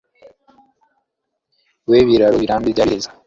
We Biraro* , Birambi* bya Birezi*.